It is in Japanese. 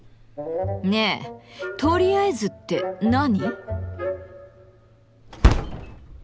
ねえ「とりあえず」って何？